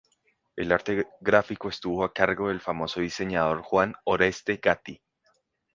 El arte gráfico estuvo a cargo del famoso diseñador Juan Oreste Gatti.